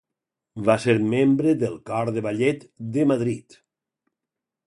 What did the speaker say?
Va ser membre del cor de ballet de Madrid.